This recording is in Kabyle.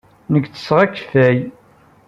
Nekk ttesseɣ akeffay.